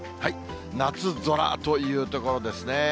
夏空というところですね。